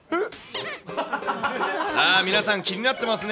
さあ、皆さん、気になってますね。